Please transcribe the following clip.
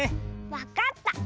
わかった！